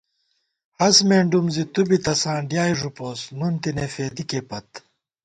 ہَس مېنڈُوم زی تُو بی تساں ڈیائےݫُپوس، نُن تېنے فېدِکےپت